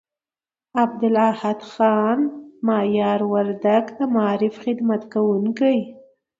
عبدالاحد خان مایار وردگ، د معارف خدمت کوونکي